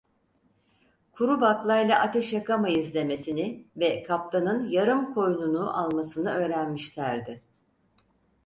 "Kuru baklayla ateş yakamayızl" demesini ve kaptanın yarım koyununu almasını öğrenmişlerdi…